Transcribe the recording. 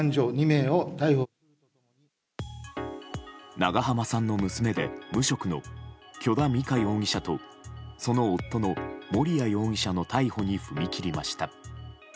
長濱さんの娘で無職の許田美香容疑者とその夫の盛哉容疑者の逮捕に踏み切りました。